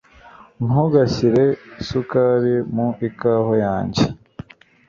Ntugashyire isukari mu ikawa yanjye.